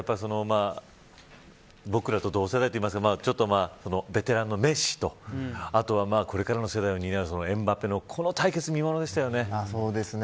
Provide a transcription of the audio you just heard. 僕らと同世代というかベテランのメッシとこれからの世代を担うエムバペのこの対決が見ものでしたね。